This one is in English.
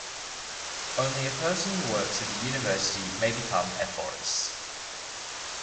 Only a person who works at the university may become ephorus.